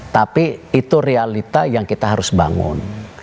tapi itu realita yang kita harus bangun